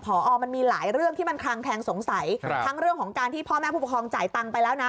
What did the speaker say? พอมันมีหลายเรื่องที่มันคลังแคงสงสัยทั้งเรื่องของการที่พ่อแม่ผู้ปกครองจ่ายตังค์ไปแล้วนะ